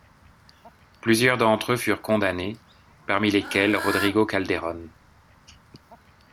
Plusieurs d'entre eux furent condamnés, parmi lesquels Rodrigo Calderón.